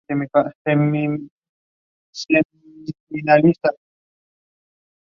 His last gig was at the Theatre Royal, Norwich.